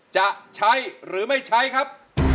จะใช้หรือไม่ใช้ครับ